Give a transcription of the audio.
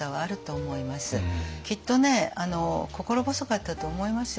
きっとね心細かったと思いますよ